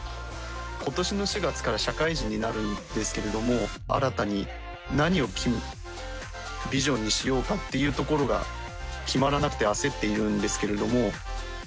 今年の４月から社会人になるんですけれども新たに何をビジョンにしようかっていうところが決まらなくて焦っているんですけれども。